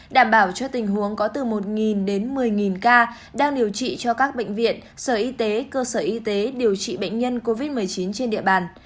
đảm bảo cho tình huống có từ một đến một mươi ca đang điều trị cho các bệnh viện sở y tế cơ sở y tế điều trị bệnh nhân covid một mươi chín trên địa bàn